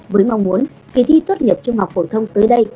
với mong muốn kỳ thi thuất nhập trung học phổ thông tới đây